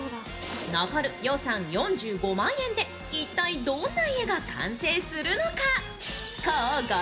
残る予算４５万円で一体どんな家が完成するのか。